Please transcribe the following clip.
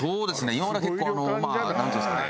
今までは結構まあなんていうんですかね。